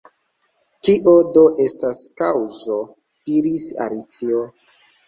“Kio do estas Kaŭko?” diris Alicio.